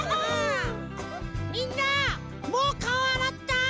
みんなもうかおあらった？